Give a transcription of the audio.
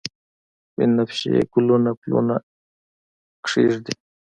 بنفشیې ګلونه پلونه کښیږدي